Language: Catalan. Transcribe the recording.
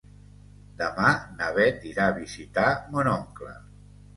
Demà na Beth irà a visitar mon oncle.